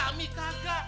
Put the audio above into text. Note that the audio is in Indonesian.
gak mi gak